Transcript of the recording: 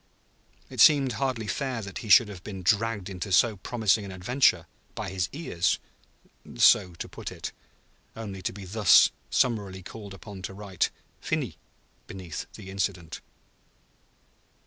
It seemed hardly fair that he should have been dragged into so promising an adventure, by his ears (so to put it), only to be thus summarily called upon to write "Finis" beneath the incident.